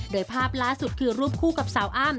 โดยภาพล่าสุดคือรูปคู่กับสาวอ้ำ